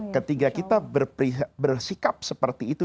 ketika kita bersikap seperti itu